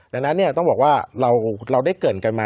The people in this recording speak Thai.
ดังนั้นต้องบอกว่าเราได้เกิดกันมา